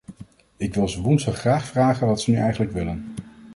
Ik wil ze woensdag graag vragen wat ze nu eigenlijk willen.